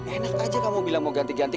enak aja kamu bilang mau ganti ganti